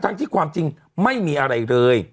ที่ความจริงไม่มีอะไรเลย